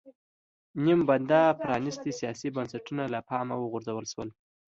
نیم بنده پرانېستي سیاسي بنسټونه له پامه وغورځول شول.